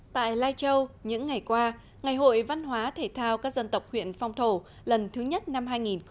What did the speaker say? tại lai châu những ngày qua ngày hội văn hóa thể thao các dân tộc huyện phong thổ lần thứ nhất năm hai nghìn một mươi chín